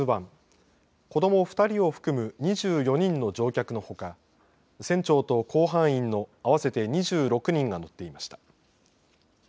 子ども２人を含む２４人の乗客のほか船長と甲板員の合わせて２６人が乗っていました。